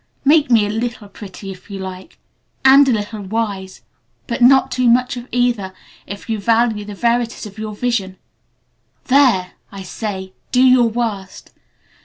Make me a little pretty, if you like, and a little wise, but not too much of either, if you value the verities of your Vision. There! I say: do your worst!